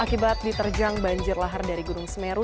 akibat diterjang banjir lahar dari gunung semeru